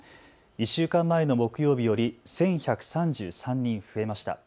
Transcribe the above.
１週間前の木曜日より１１３３人増えました。